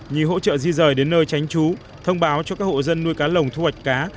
như hỗ trợ di rời đến nơi tránh trú thông báo cho các hộ dân nuôi cá lồng thu hoạch cá